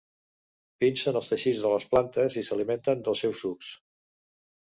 Pincen els teixits de les plantes i s'alimenten dels seus sucs.